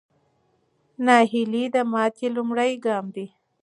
ناهیلي د ماتې لومړی ګام دی.